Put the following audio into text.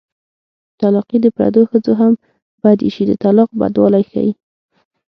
طلاقي د پردو ښځو هم بد ايسي د طلاق بدوالی ښيي